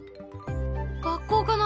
学校かな？